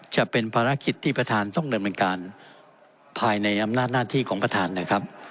จะเป็นภารกิจที่ประธานต้องดำเนินการภายในอำนาจหน้าที่ของประธานนะครับ